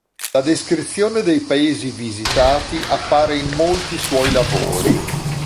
La descrizione dei paesi visitati appare in molti suoi lavori.